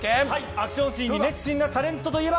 アクションシーンに熱心なタレントといえば？